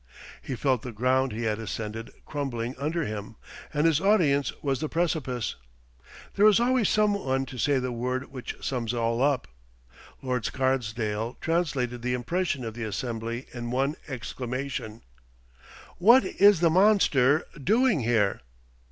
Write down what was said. He felt the ground he had ascended crumbling under him, and his audience was the precipice. There is always some one to say the word which sums all up. Lord Scarsdale translated the impression of the assembly in one exclamation, "What is the monster doing here?"